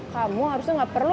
kamu harusnya gak perlu